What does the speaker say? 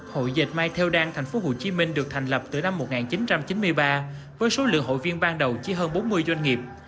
hội dịch may theo đan tp hcm được thành lập từ năm một nghìn chín trăm chín mươi ba với số lượng hội viên ban đầu chỉ hơn bốn mươi doanh nghiệp